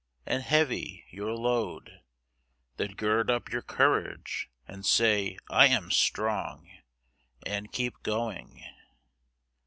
And heavy your load? Then gird up your courage, and say 'I am strong,' And keep going.